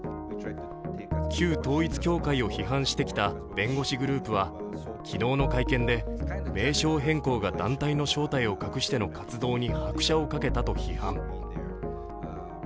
旧統一教会を批判してきた弁護士グループは昨日の会見で名称変更が団体の正体を隠しての活動に拍車をかけたと批判。